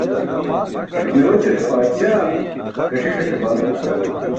Kuyooćate paatsaa, gatiṣate bal.